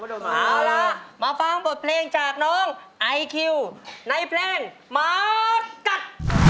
เอาล่ะมาฟังบทเพลงจากน้องไอคิวในเพลงหมากัด